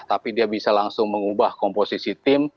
tapi dia bisa langsung mengubah komposisi tim